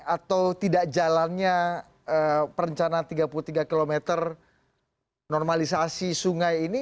atau tidak jalannya perencanaan tiga puluh tiga km normalisasi sungai ini